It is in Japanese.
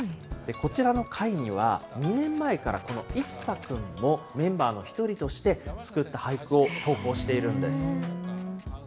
こちらの会には、２年前からこの一茶くんもメンバーの１人として、作った俳句を投稿しているんです。